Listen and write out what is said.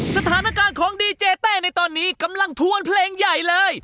สถานการณ์ของดีเจเต้ในตอนนี้กำลังทวนเพลงใหญ่เลย